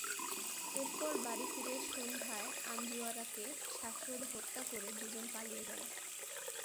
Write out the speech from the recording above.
এরপর বাড়ি ফিরে সন্ধ্যায় আনজুয়ারাকে শ্বাসরোধে হত্যা করে দুজন পালিয়ে যান।